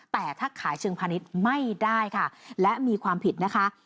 แต่ถ้าขายเชิงพาณิชย์ไม่ได้ค่ะและมีความผิดนะคะ